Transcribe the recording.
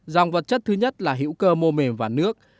dòng vật chất thứ nhất là hữu cơ mô mềm và nước